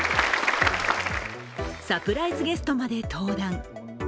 サプライズゲストまで登壇。